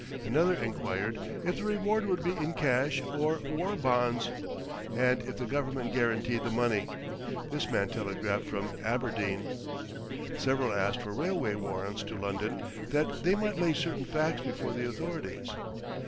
Another enquired if the reward would be in cash or war bonds, and if the Government guaranteed the money this man telegraphed from Aberdeen. Several asked for railway warrants to London that they might lay certain facts before the authorities.